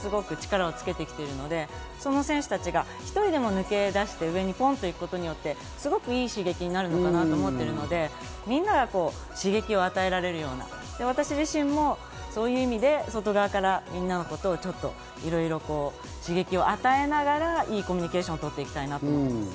あとは若手がすごく力をつけてきているので、その選手が一人でも上にポンっと行くことによって、すごくいい刺激になるのかなと思っているのでみんなが刺激を与えられるような、私自身もそういう意味で外側から刺激を与えながら、いいコミュニケーションをとっていきたいなと思っています。